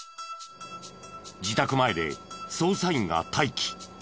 自宅前で捜査員が待機。